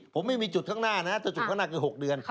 ผมไม่มีจุดข้างหน้านะถ้าจุดข้างหน้าคือ๖เดือน